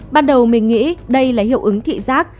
ban đầu mình nghĩ đây là hiệu ứng thị giác